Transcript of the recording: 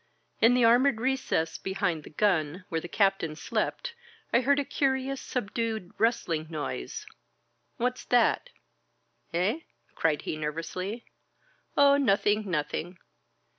In the armored recess behind the gun, where the Captain slept, I heard a curious, subdued rustling noise. What's that? Eh?'' cried he nervously. 0h, nothing, nothing!''